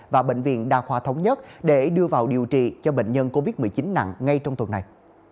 và bệnh viện đa khoa thống nhất để đưa vào điều trị cho bệnh nhân covid một mươi chín nặng ngay trong tuần này